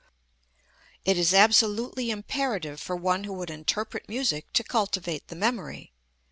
It is absolutely imperative for one who would interpret music to cultivate the memory.